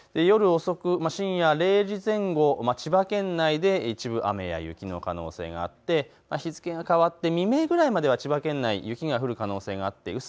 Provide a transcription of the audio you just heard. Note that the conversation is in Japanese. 深夜０時前後、千葉県内で一部雨や雪の可能性があって日付が変わって未明ぐらいまでは千葉県内は雪が降る可能性があります。